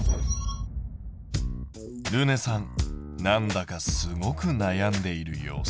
るねさんなんだかすごく悩んでいる様子。